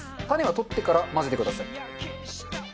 種は取ってから混ぜてください。